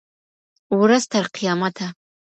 ورځ تر قیامته